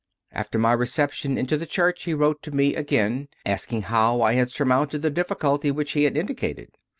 After my reception into the Church he wrote to me again, asking how I had surmounted the difficulty which he had indicated.